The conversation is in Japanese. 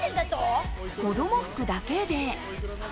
子供服だけで。